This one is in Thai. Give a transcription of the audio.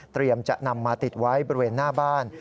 จะนำมาติดไว้บริเวณหน้าบ้าน